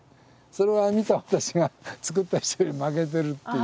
それは見た私がつくった人より負けてるっていう。